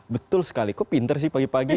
betul sekali kok pinter sih pagi pagi